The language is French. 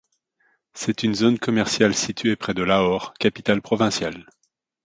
C'est une zone commerciale située près de Lahore, capitale provinciale.